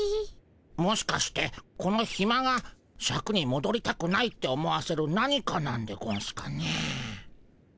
もしかしてこのヒマがシャクにもどりたくないって思わせる何かなんでゴンスかね？